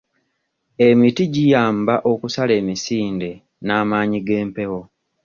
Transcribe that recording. Emiti giyamba okusala emisinde n'amaanyi g'empewo.